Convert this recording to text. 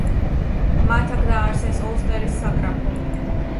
მათ აქ დააარსეს ოლსტერის საგრაფო.